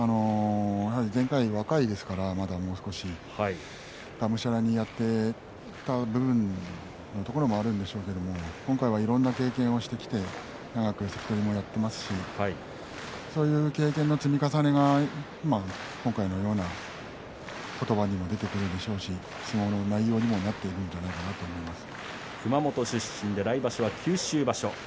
前回、若いですから、まだもう少しがむしゃらにやっていた部分もあるんでしょうけれど今回いろいろ経験してきて長く関取もやっていますしそういう経験の積み重ねが今回のような言葉にも出てくるでしょうし相撲の内容にもなっているんじゃ熊本出身で来場所は九州場所。